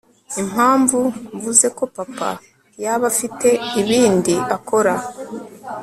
impamvu mvuze ko papa yaba afite ibindi akora